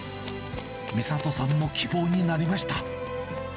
美里さんの希望になりました。